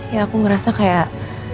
ya aku ngerasa kayak